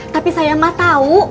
tapi saya mah tau